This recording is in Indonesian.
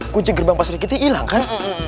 kunci gerbang pak serikiti hilang kan